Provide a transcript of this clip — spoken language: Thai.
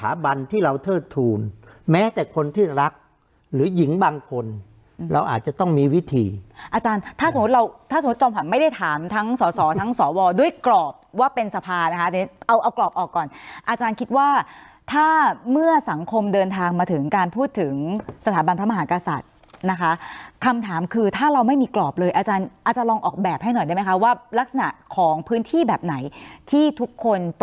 อาจารย์ถ้าสมมติเราถ้าสมมติจอมฝันไม่ได้ถามทั้งสอสอทั้งสอวอด้วยกรอบว่าเป็นสภานะคะเดี๋ยวเอากรอบออกก่อนอาจารย์คิดว่าถ้าเมื่อสังคมเดินทางมาถึงการพูดถึงสถาบันพระมหากษัตริย์นะคะคำถามคือถ้าเราไม่มีกรอบเลยอาจารย์อาจจะลองออกแบบให้หน่อยได้ไหมคะว่ารักษณะของพื้นที่แบบไหนที่ทุก